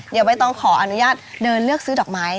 เดี๋ยวใบตองขออนุญาตเดินเลือกซื้อดอกไม้